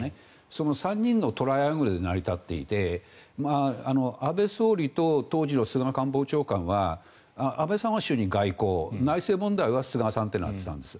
その３人のトライアングルで成り立っていて安倍総理と当時の菅官房長官は安倍さんは外交内政問題は菅さんとなっていたんです。